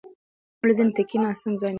ولې ځینې ټکي ناسم ځای نیسي؟